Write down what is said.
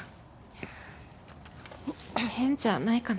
変じゃないかな？